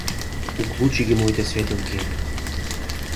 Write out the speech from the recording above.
Уклучи ги моите светилки.